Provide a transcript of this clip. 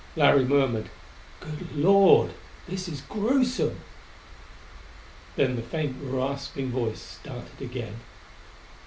Larry murmured, "Good Lord, this is gruesome!" Then the faint, rasping voice started again.